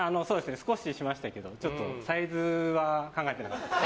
少ししましたけどサイズは考えてなかったです。